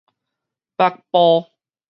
北埔